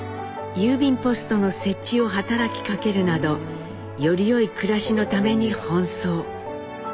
郵便ポストの設置を働きかけるなどよりよい暮らしのために奔走。